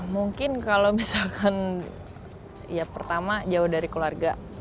mungkin kalau misalkan ya pertama jauh dari keluarga